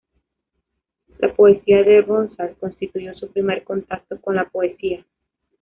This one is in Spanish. La poesía de Ronsard constituyó su primer contacto con la poesía.